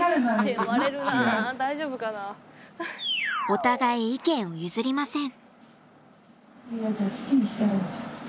お互い意見を譲りません。